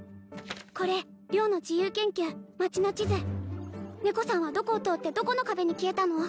これ良の自由研究町の地図猫さんはどこを通ってどこの壁に消えたの？